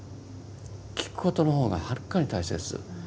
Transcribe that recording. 聞くことの方がはるかに大切。